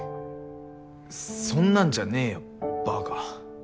そんなんじゃねぇよばか。